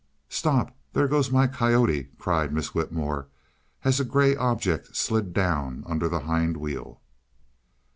"Stop! There goes my coyote!" cried Miss Whitmore, as a gray object slid down under the hind wheel.